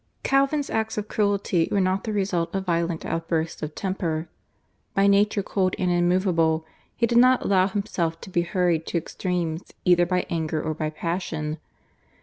Calvin's acts of cruelty were not the result of violent outbursts of temper. By nature cold and immovable, he did not allow himself to be hurried to extremes either by anger or by passion.